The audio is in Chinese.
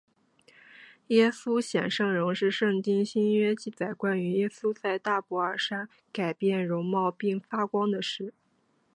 耶稣显圣容是圣经新约记载关于耶稣在大博尔山改变容貌并且发光的事。